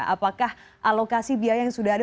apakah alokasi biaya yang sudah ada